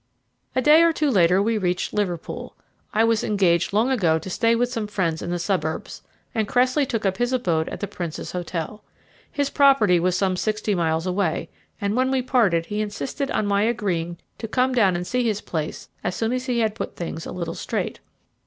A day or two later we reached Liverpool; I was engaged long ago to stay with some friends in the suburbs, and Cressley took up his abode at the Prince's Hotel. His property was some sixty miles away, and when we parted he insisted on my agreeing to come down and see his place as soon as he had put things a little straight.